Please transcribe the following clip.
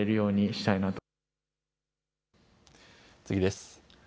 次です。